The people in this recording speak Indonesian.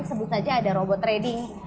sebut saja ada robot trading